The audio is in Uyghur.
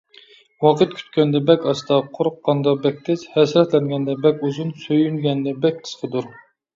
ۋاقىت كۈتكەندە بەك ئاستا، قورققاندا بەك تېز، ھەسرەتلەنگەندە بەك ئۇزۇن، سۆيۈنگەندە بەك قىسقىدۇر.